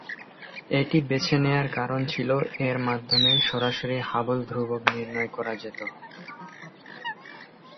এটি বেছে নেয়ার কারণ ছিল এর মাধ্যমে সরাসরি হাবল ধ্রুবক নির্ণয় করা যেতো।